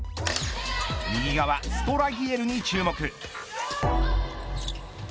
右側、ストラギエルに注目。